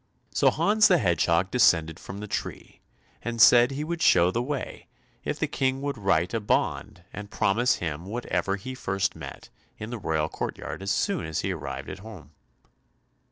So Hans the Hedgehog descended from the tree, and said he would show the way if the King would write a bond and promise him whatever he first met in the royal courtyard as soon as he arrived at home.